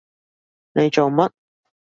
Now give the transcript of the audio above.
你做乜？